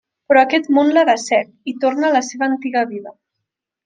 Però aquest món la decep, i torna a la seva antiga vida.